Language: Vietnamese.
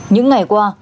những ngày qua